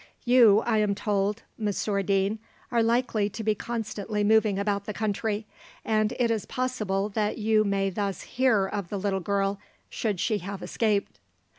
You, I am told, Monsieur Deane, are likely to be constantly moving about the country, and it is possible that you may thus hear of the little girl, should she have escaped."